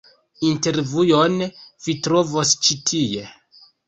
Intervjuon vi trovos ĉi tie.